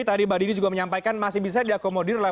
tadi mbak dini juga menyampaikan masih bisa diakomodir